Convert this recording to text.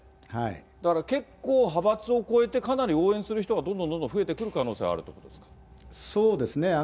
だから結構、派閥を超えてかなり応援する人がどんどんどんどん増えてくる可能そうですね。